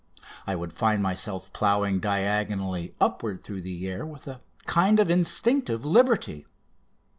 I would find myself ploughing diagonally upward through the air with a kind of instinctive liberty.